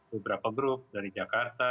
beberapa grup dari jakarta